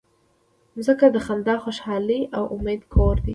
مځکه د خندا، خوشحالۍ او امید کور دی.